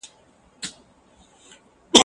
زده کوونکي تېر کال په ارامه فضا کې زده کړه کوله.